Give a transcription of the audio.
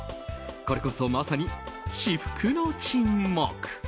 これこそ、まさに至福の沈黙。